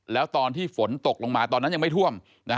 แล้วตอนที่ฝนตกลงมาตอนนั้นยังไม่ท่วม